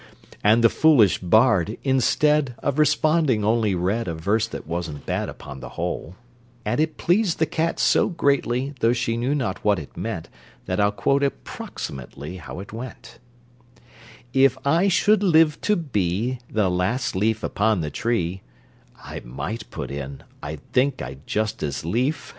And the foolish bard, instead Of responding, only read A verse that wasn't bad upon the whole: And it pleased the cat so greatly, Though she knew not what it meant, That I'll quote approximately How it went: "If I should live to be The last leaf upon the tree" (I might put in: "I think I'd just as leaf!")